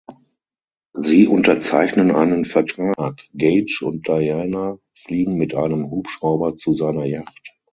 Sie unterzeichnen einen Vertrag, Gage und Diana fliegen mit einem Hubschrauber zu seiner Jacht.